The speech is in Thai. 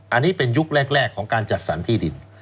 อันนี้เป็นยุคแรกของการจัดสรรที่ดิน